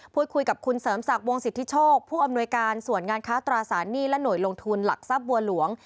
พูดคุยกับคุณเสริมศักดิ์วงสิทธิโชคผู้อำนวยการส่วนงานค้าตราสารหนี้และหน่วยลงทุนหลักทรัพย์บัวหลวง